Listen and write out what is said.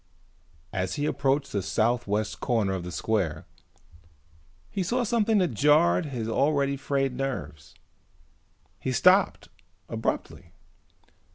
As he approached the south west corner of the square he saw something that jarred his already frayed nerves. He stopped abruptly.